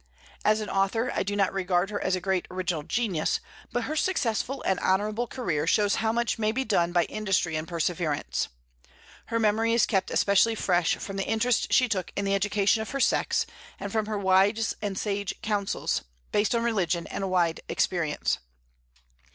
As an author, I do not regard her as a great original genius; but her successful and honorable career shows how much may be done by industry and perseverance. Her memory is kept especially fresh from the interest she took in the education of her sex, and from her wise and sage counsels, based on religion and a wide experience.